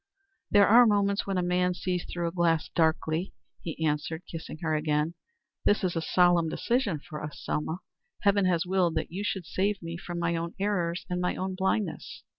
"There are moments when a man sees through a glass, darkly," he answered, kissing her again. "This is a solemn decision for us, Selma. Heaven has willed that you should save me from my own errors, and my own blindness."